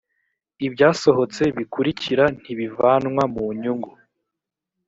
ibyasohotse bikurikira ntibivanwa mu nyungu